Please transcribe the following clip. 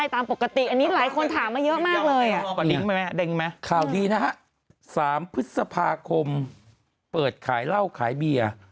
ตามปกติอันนี้หลายคนถามมาเยอะมากเลย